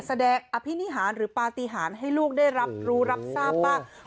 แสดกอภินิหารหรือปลาติหารให้ลูกได้รับรู้รับทราบป่ะโอ้โห